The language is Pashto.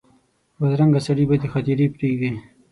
بدرنګه سړي بدې خاطرې پرېږدي